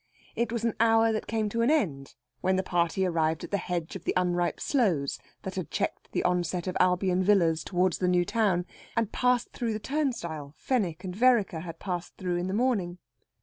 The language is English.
It was an hour that came to an end when the party arrived at the hedge of the unripe sloes that had checked the onset of Albion Villas towards the new town, and passed through the turnstile Fenwick and Vereker had passed through in the morning.